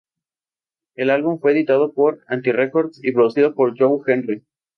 El álbum fue editado por Anti-Records y producido por Joe Henry.